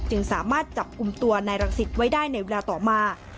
สามารถจับกลุ่มตัวนายรังสิตไว้ได้ในเวลาต่อมา